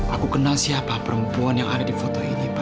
aku kenal siapa perempuan yang ada di foto ini